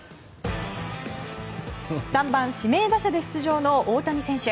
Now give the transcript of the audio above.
３番、指名打者で出場の大谷選手。